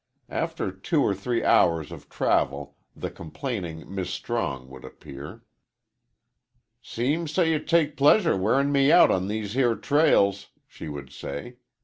After two or three hours of travel the complaining "Mis' Strong" would appear. "Seems so ye take pleasure wearin' me out on these here trails," she would say.